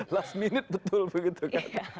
last minute betul begitu kan